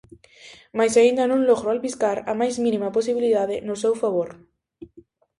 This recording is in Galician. Mais aínda non logro albiscar a máis mínima posibilidade no seu favor.